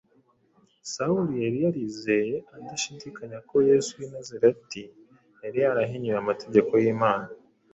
Sawuli yari yarizeye adashidikanya ko Yesu w’i Nazareti yari yarahinyuye amategeko y’Imana